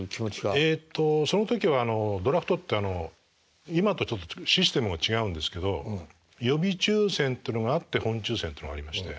えっとその時はドラフトって今とちょっとシステムが違うんですけど予備抽選っていうのがあって本抽選というのがありまして。